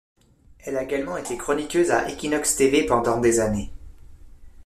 Elle a également été chroniqueuse à Équinoxe tv pendant des années.